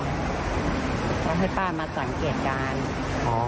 ก็ให้ป้ามาสังเกตการณ์